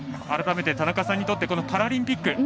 改めて田中さんにとってパラリンピック